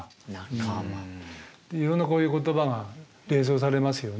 いろんなこういう言葉が連想されますよね。